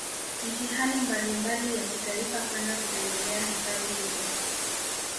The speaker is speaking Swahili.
mitihani mbalimbali ya kitaifa kwenda kutembelea Hifadhi hizo